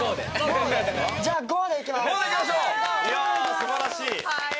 素晴らしい！